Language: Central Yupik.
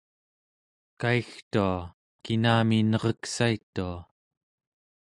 kaigtua kinami nereksaitua